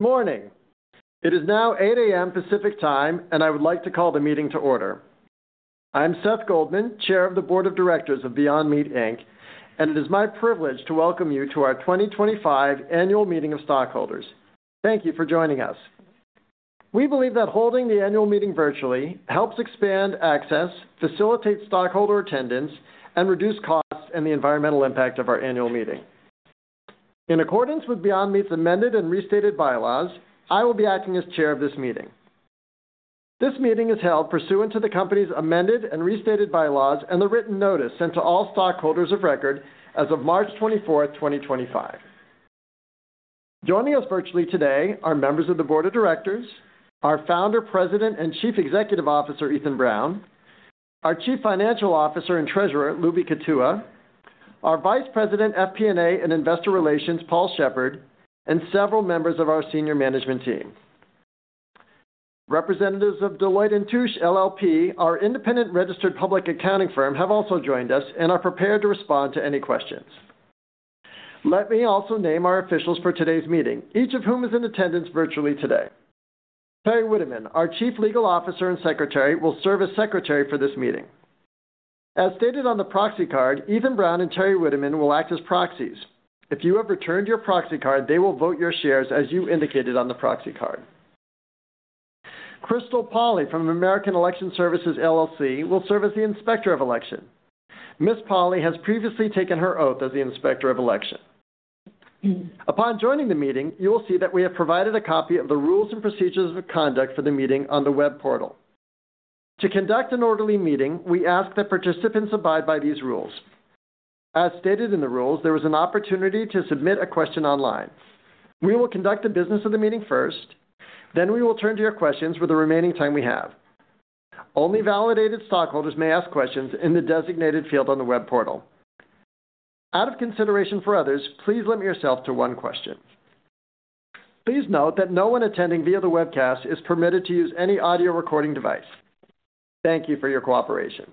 Morning. It is now 8:00 A.M. Pacific Time, and I would like to call the meeting to order. I'm Seth Goldman, Chair of the Board of Directors of Beyond Meat, Inc., and it is my privilege to welcome you to our 2025 Annual Meeting of Stockholders. Thank you for joining us. We believe that holding the annual meeting virtually helps expand access, facilitates stockholder attendance, and reduces costs and the environmental impact of our annual meeting. In accordance with Beyond Meat's amended and restated bylaws, I will be acting as Chair of this meeting. This meeting is held pursuant to the company's amended and restated bylaws and the written notice sent to all stockholders of record as of March 24th, 2025. Joining us virtually today are members of the Board of Directors, our Founder, President, and Chief Executive Officer, Ethan Brown, our Chief Financial Officer and Treasurer, Lubi Kutua, our Vice President, FP&A and Investor Relations, Paul Sheppard, and several members of our senior management team. Representatives of Deloitte & Touche LLP, our independent registered public accounting firm, have also joined us and are prepared to respond to any questions. Let me also name our officials for today's meeting, each of whom is in attendance virtually today. Teri Witteman, our Chief Legal Officer and secretary, will serve as secretary for this meeting. As stated on the proxy card, Ethan Brown and Teri Witteman will act as proxies. If you have returned your proxy card, they will vote your shares as you indicated on the proxy card. Crystal Polley from American Election Services LLC will serve as the inspector of election. Ms. Polley has previously taken her oath as the inspector of election. Upon joining the meeting, you will see that we have provided a copy of the rules and procedures of conduct for the meeting on the web portal. To conduct an orderly meeting, we ask that participants abide by these rules. As stated in the rules, there is an opportunity to submit a question online. We will conduct the business of the meeting first. We will turn to your questions for the remaining time we have. Only validated stockholders may ask questions in the designated field on the web portal. Out of consideration for others, please limit yourself to one question. Please note that no one attending via the webcast is permitted to use any audio recording device. Thank you for your cooperation.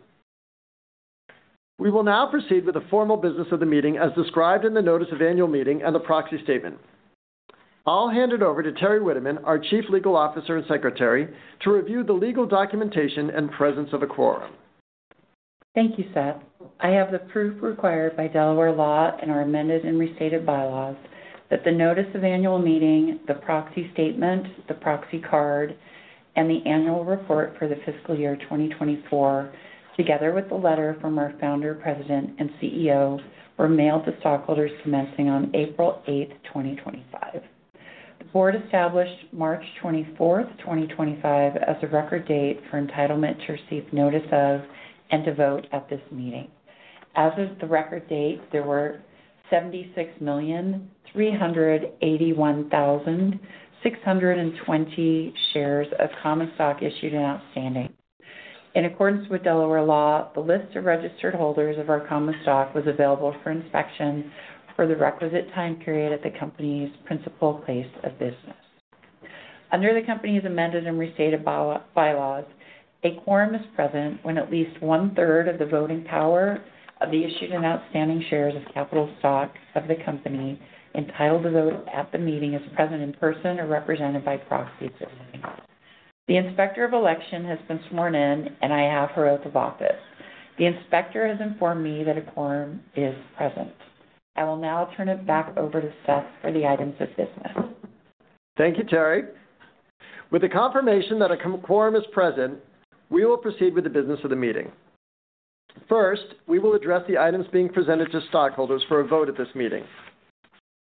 We will now proceed with the formal business of the meeting as described in the notice of annual meeting and the proxy statement. I'll hand it over to Teri Witteman, our Chief Legal Officer and Secretary, to review the legal documentation and presence of a quorum. Thank you, Seth. I have the proof required by Delaware law and our amended and restated bylaws that the notice of annual meeting, the proxy statement, the proxy card, and the annual report for the fiscal year 2024, together with the letter from our Founder, President, and CEO, were mailed to stockholders commencing on April 8, 2025. The board established March 24, 2025, as the record date for entitlement to receive notice of and to vote at this meeting. As of the record date, there were 76,381,620 shares of common stock issued and outstanding. In accordance with Delaware law, the list of registered holders of our common stock was available for inspection for the requisite time period at the company's principal place of business. Under the company's amended and restated bylaws, a quorum is present when at least one-third of the voting power of the issued and outstanding shares of capital stock of the company entitled to vote at the meeting is present in person or represented by proxies at the meeting. The inspector of election has been sworn in, and I have her oath of office. The inspector has informed me that a quorum is present. I will now turn it back over to Seth for the items of business. Thank you, Teri. With the confirmation that a quorum is present, we will proceed with the business of the meeting. First, we will address the items being presented to stockholders for a vote at this meeting.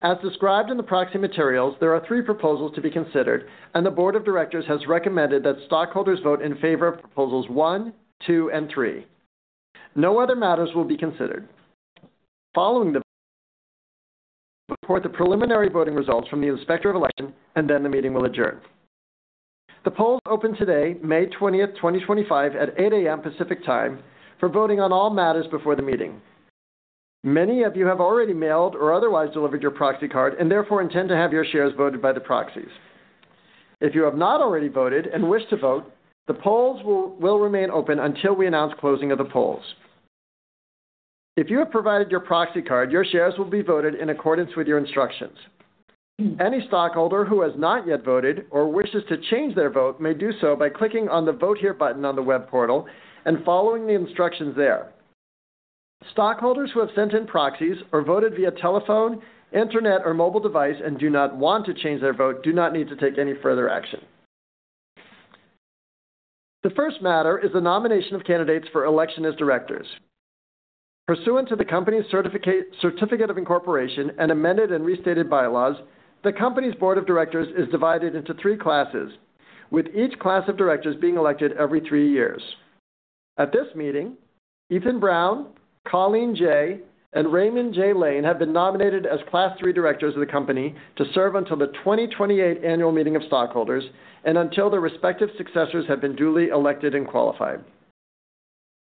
As described in the proxy materials, there are three proposals to be considered, and the Board of Directors has recommended that stockholders vote in favor of proposals one, two, and three. No other matters will be considered. Following the vote, we will report the preliminary voting results from the inspector of election, and then the meeting will adjourn. The polls open today, May 20th, 2025, at 8:00 A.M. Pacific time for voting on all matters before the meeting. Many of you have already mailed or otherwise delivered your proxy card and therefore intend to have your shares voted by the proxies. If you have not already voted and wish to vote, the polls will remain open until we announce closing of the polls. If you have provided your proxy card, your shares will be voted in accordance with your instructions. Any stockholder who has not yet voted or wishes to change their vote may do so by clicking on the Vote Here button on the web portal and following the instructions there. Stockholders who have sent in proxies or voted via telephone, internet, or mobile device and do not want to change their vote do not need to take any further action. The first matter is the nomination of candidates for election as directors. Pursuant to the company's certificate of incorporation and amended and restated bylaws, the company's board of directors is divided into three classes, with each class of directors being elected every three years. At this meeting, Ethan Brown, Colleen Jay, and Raymond J. Lane have been nominated as Class III directors of the company to serve until the 2028 annual meeting of stockholders and until their respective successors have been duly elected and qualified.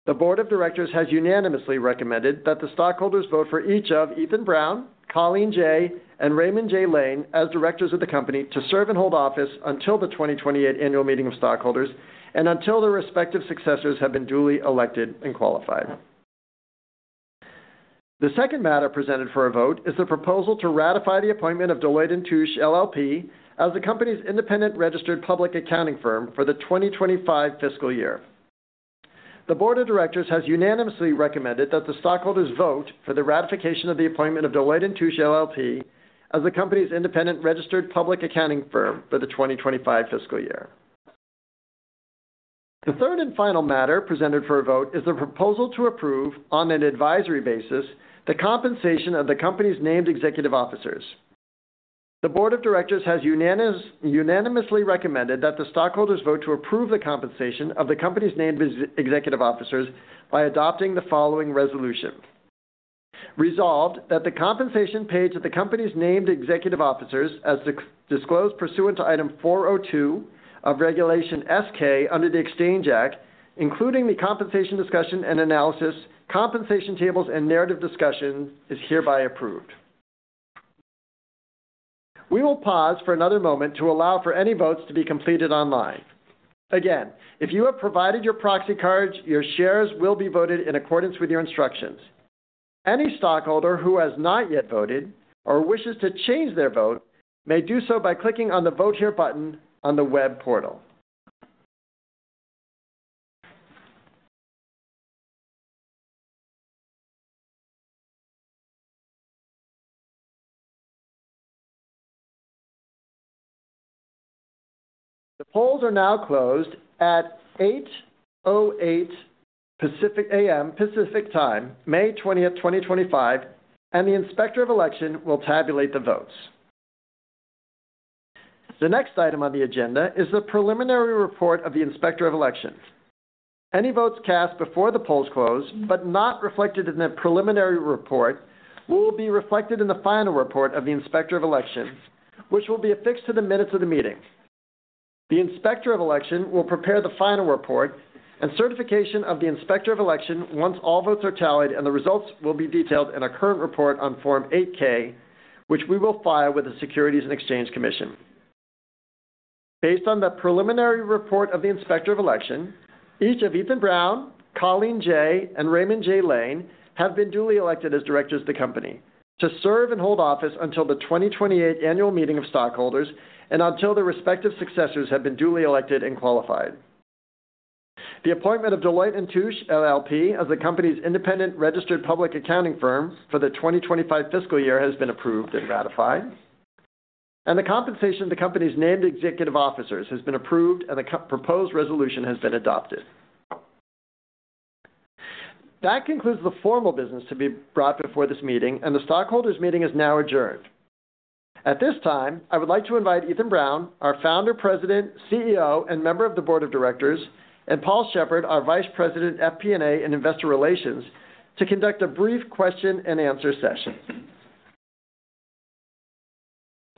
The Board of Directors has unanimously recommended that the stockholders vote for each of Ethan Brown, Colleen Jay, and Raymond J. Lane as directors of the company to serve and hold office until the 2028 annual meeting of stockholders and until their respective successors have been duly elected and qualified. The second matter presented for a vote is the proposal to ratify the appointment of Deloitte & Touche LLP as the company's independent registered public accounting firm for the 2025 fiscal year. The board of directors has unanimously recommended that the stockholders vote for the ratification of the appointment of Deloitte & Touche LLP as the company's independent registered public accounting firm for the 2025 fiscal year. The third and final matter presented for a vote is the proposal to approve on an advisory basis the compensation of the company's named executive officers. The board of directors has unanimously recommended that the stockholders vote to approve the compensation of the company's named executive officers by adopting the following resolution: Resolved that the compensation paid to the company's named executive officers, as disclosed pursuant to Item 402 of Regulation S-K under the Exchange Act, including the compensation discussion and analysis, compensation tables, and narrative discussion, is hereby approved. We will pause for another moment to allow for any votes to be completed online. Again, if you have provided your proxy cards, your shares will be voted in accordance with your instructions. Any stockholder who has not yet voted or wishes to change their vote may do so by clicking on the Vote Here button on the web portal. The polls are now closed at 8:08 A.M. Pacific Time, May 20th, 2025, and the inspector of election will tabulate the votes. The next item on the agenda is the preliminary report of the inspector of election. Any votes cast before the polls closed but not reflected in the preliminary report will be reflected in the final report of the inspector of election, which will be affixed to the minutes of the meeting. The inspector of election will prepare the final report and certification of the inspector of election once all votes are tallied, and the results will be detailed in a current report on Form 8-K, which we will file with the Securities and Exchange Commission. Based on the preliminary report of the inspector of election, each of Ethan Brown, Colleen Jay, and Raymond J. Lane have been duly elected as directors of the company to serve and hold office until the 2028 annual meeting of stockholders and until their respective successors have been duly elected and qualified. The appointment of Deloitte & Touche LLP as the company's independent registered public accounting firm for the 2025 fiscal year has been approved and ratified, and the compensation of the company's named executive officers has been approved, and the proposed resolution has been adopted. That concludes the formal business to be brought before this meeting, and the stockholders' meeting is now adjourned. At this time, I would like to invite Ethan Brown, our Founder, President, CEO, and member of the board of directors, and Paul Sheppard, our vice resident, FP&A and Investor Relations, to conduct a brief question-and-answer session.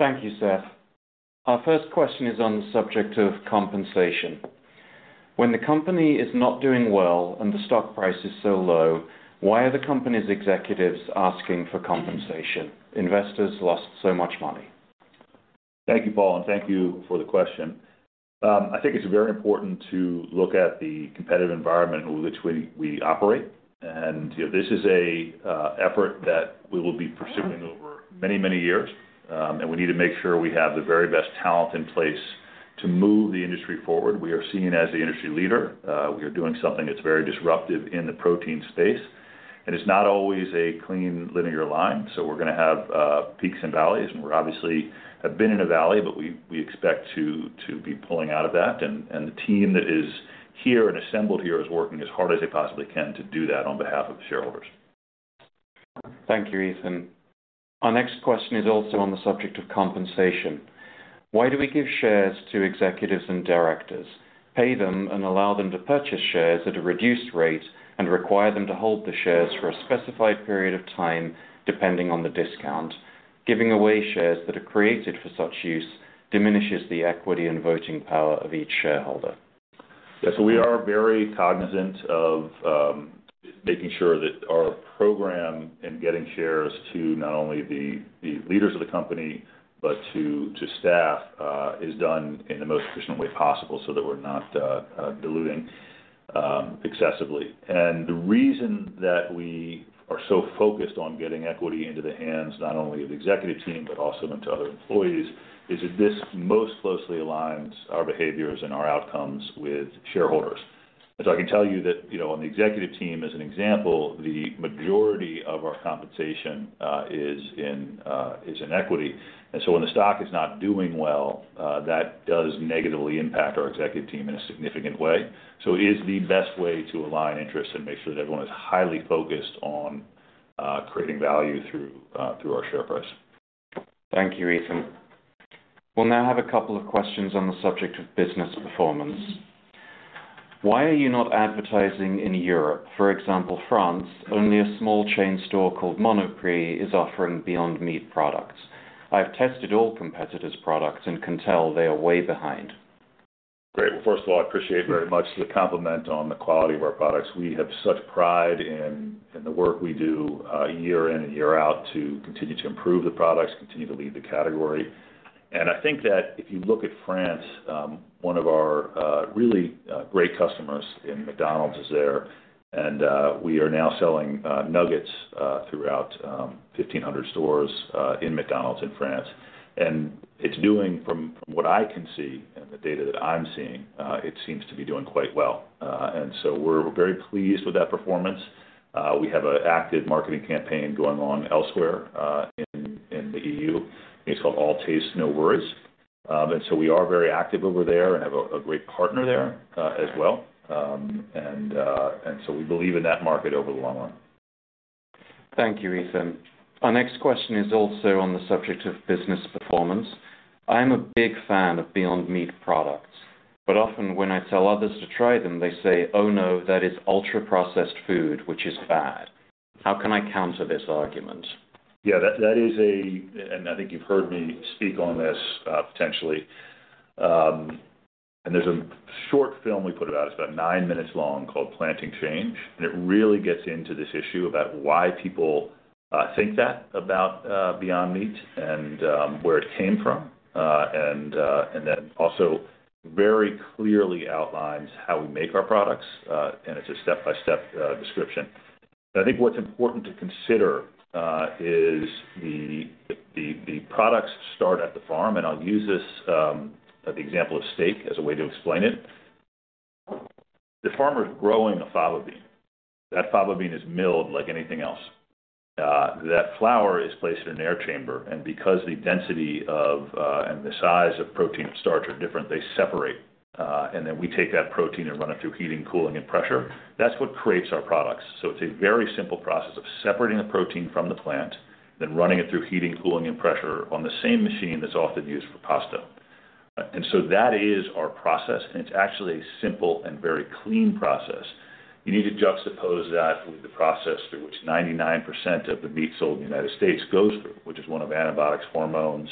Thank you, Seth. Our first question is on the subject of compensation. When the company is not doing well and the stock price is so low, why are the company's executives asking for compensation? Investors lost so much money. Thank you, Paul, and thank you for the question. I think it's very important to look at the competitive environment in which we operate. This is an effort that we will be pursuing over many, many years, and we need to make sure we have the very best talent in place to move the industry forward. We are seen as the industry leader. We are doing something that's very disruptive in the protein space, and it's not always a clean, linear line. We're going to have peaks and valleys, and we obviously have been in a valley, but we expect to be pulling out of that. The team that is here and assembled here is working as hard as they possibly can to do that on behalf of the shareholders. Thank you, Ethan. Our next question is also on the subject of compensation. Why do we give shares to executives and directors, pay them, and allow them to purchase shares at a reduced rate and require them to hold the shares for a specified period of time depending on the discount? Giving away shares that are created for such use diminishes the equity and voting power of each shareholder. Yeah, so we are very cognizant of making sure that our program in getting shares to not only the leaders of the company but to staff is done in the most efficient way possible so that we're not diluting excessively. The reason that we are so focused on getting equity into the hands not only of the executive team but also into other employees is that this most closely aligns our behaviors and our outcomes with shareholders. I can tell you that on the executive team, as an example, the majority of our compensation is in equity. When the stock is not doing well, that does negatively impact our executive team in a significant way. It is the best way to align interests and make sure that everyone is highly focused on creating value through our share price. Thank you, Ethan. We'll now have a couple of questions on the subject of business performance. Why are you not advertising in Europe? For example, France, only a small chain store called Monoprix is offering Beyond Meat products. I've tested all competitors' products and can tell they are way behind. Great. First of all, I appreciate very much the compliment on the quality of our products. We have such pride in the work we do year in and year out to continue to improve the products, continue to lead the category. I think that if you look at France, one of our really great customers in McDonald's is there, and we are now selling nuggets throughout 1,500 stores in McDonald's in France. It is doing, from what I can see and the data that I am seeing, it seems to be doing quite well. We are very pleased with that performance. We have an active marketing campaign going on elsewhere in the EU. It is called All Taste, No Worries. We are very active over there and have a great partner there as well. We believe in that market over the long run. Thank you, Ethan. Our next question is also on the subject of business performance. I'm a big fan of Beyond Meat products, but often when I tell others to try them, they say, "Oh, no, that is ultra-processed food, which is bad." How can I counter this argument? Yeah, that is a, and I think you've heard me speak on this potentially. There's a short film we put about it. It's about nine minutes long called Planting Change. It really gets into this issue about why people think that about Beyond Meat and where it came from. It also very clearly outlines how we make our products, and it's a step-by-step description. I think what's important to consider is the products start at the farm, and I'll use this example of steak as a way to explain it. The farmer's growing a fava bean. That fava bean is milled like anything else. That flour is placed in an air chamber, and because the density and the size of protein and starch are different, they separate. We take that protein and run it through heating, cooling, and pressure. That's what creates our products. It's a very simple process of separating the protein from the plant, then running it through heating, cooling, and pressure on the same machine that's often used for pasta. That is our process, and it's actually a simple and very clean process. You need to juxtapose that with the process through which 99% of the meat sold in the United States goes through, which is one of antibiotics, hormones,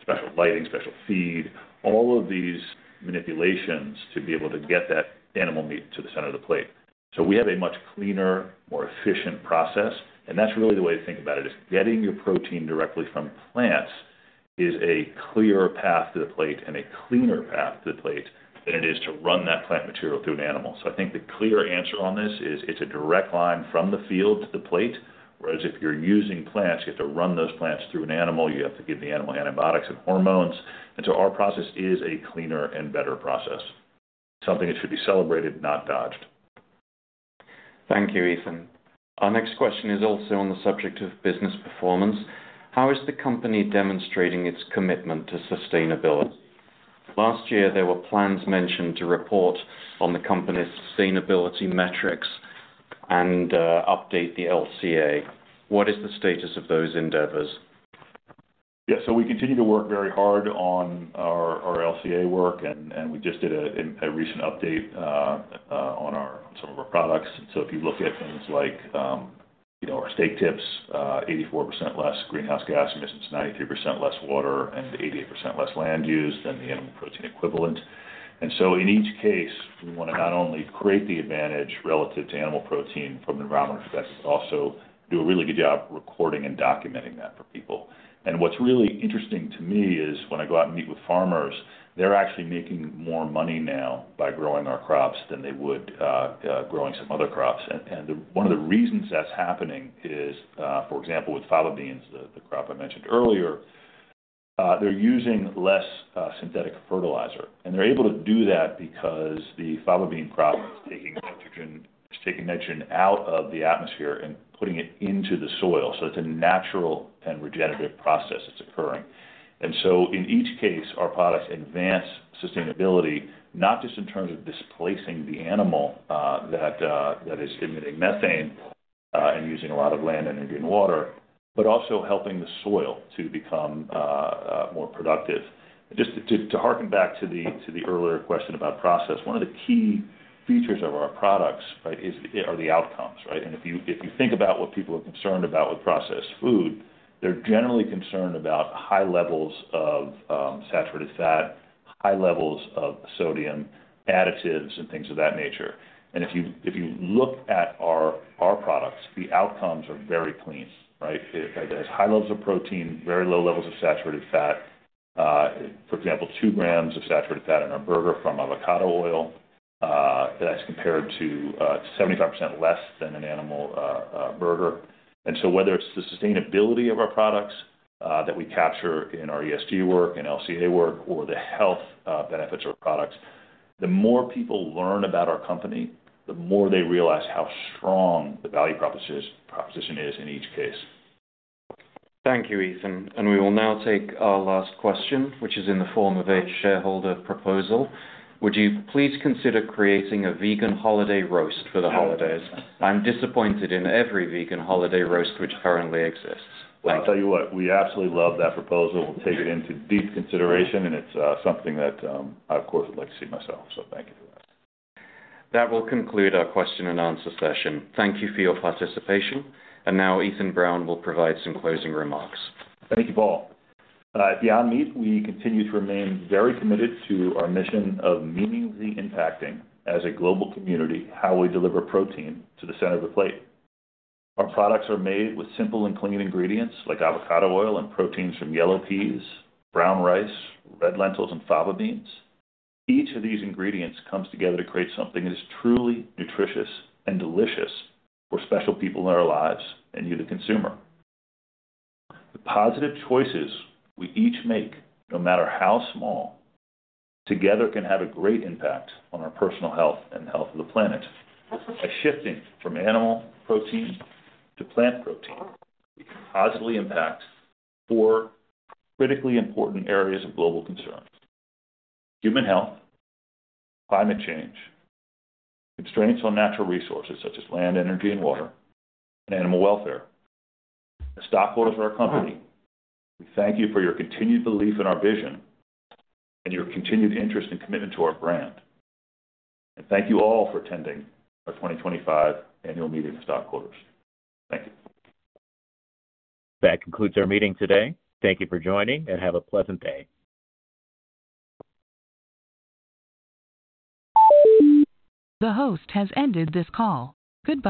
special lighting, special feed, all of these manipulations to be able to get that animal meat to the center of the plate. We have a much cleaner, more efficient process, and that's really the way to think about it. Getting your protein directly from plants is a clearer path to the plate and a cleaner path to the plate than it is to run that plant material through an animal. I think the clear answer on this is it's a direct line from the field to the plate, whereas if you're using plants, you have to run those plants through an animal. You have to give the animal antibiotics and hormones. Our process is a cleaner and better process, something that should be celebrated, not dodged. Thank you, Ethan. Our next question is also on the subject of business performance. How is the company demonstrating its commitment to sustainability? Last year, there were plans mentioned to report on the company's sustainability metrics and update the LCA. What is the status of those endeavors? Yeah, so we continue to work very hard on our LCA work, and we just did a recent update on some of our products. If you look at things like our steak tips, 84% less greenhouse gas emissions, 93% less water, and 88% less land use than the animal protein equivalent. In each case, we want to not only create the advantage relative to animal protein from an environmental perspective, but also do a really good job recording and documenting that for people. What's really interesting to me is when I go out and meet with farmers, they're actually making more money now by growing our crops than they would growing some other crops. One of the reasons that's happening is, for example, with fava beans, the crop I mentioned earlier, they're using less synthetic fertilizer. They are able to do that because the fava bean crop is taking nitrogen out of the atmosphere and putting it into the soil. It is a natural and regenerative process that is occurring. In each case, our products advance sustainability, not just in terms of displacing the animal that is emitting methane and using a lot of land, energy, and water, but also helping the soil to become more productive. Just to harken back to the earlier question about process, one of the key features of our products are the outcomes. If you think about what people are concerned about with processed food, they are generally concerned about high levels of saturated fat, high levels of sodium, additives, and things of that nature. If you look at our products, the outcomes are very clean. There are high levels of protein, very low levels of saturated fat. For example, 2 g of saturated fat in our burger from avocado oil, that's compared to 75% less than an animal burger. Whether it's the sustainability of our products that we capture in our ESG work and LCA work or the health benefits of our products, the more people learn about our company, the more they realize how strong the value proposition is in each case. Thank you, Ethan. We will now take our last question, which is in the form of a shareholder proposal. Would you please consider creating a vegan holiday roast for the holidays? I'm disappointed in every vegan holiday roast which currently exists. I will tell you what, we absolutely love that proposal. We will take it into deep consideration, and it is something that I, of course, would like to see myself. Thank you for that. That will conclude our question and answer session. Thank you for your participation. Ethan Brown will provide some closing remarks. Thank you, Paul. At Beyond Meat, we continue to remain very committed to our mission of meaningfully impacting as a global community how we deliver protein to the center of the plate. Our products are made with simple and clean ingredients like avocado oil and proteins from yellow peas, brown rice, red lentils, and fava beans. Each of these ingredients comes together to create something that is truly nutritious and delicious for special people in our lives and you, the consumer. The positive choices we each make, no matter how small, together can have a great impact on our personal health and the health of the planet. By shifting from animal protein to plant protein, we can positively impact four critically important areas of global concern: human health, climate change, constraints on natural resources such as land, energy, and water, and animal welfare. At Beyond Meat, we thank you for your continued belief in our vision and your continued interest and commitment to our brand. Thank you all for attending our 2025 annual meeting of Beyond Meat. Thank you. That concludes our meeting today. Thank you for joining, and have a pleasant day. The host has ended this call. Good.